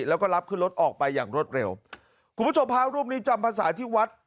แล้วก็รับขึ้นรถออกไปอย่างรวดเร็วคุณผู้ชมพระรูปนี้จำภาษาที่วัด